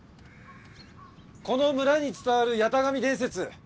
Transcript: この村に伝わる八咫神伝説。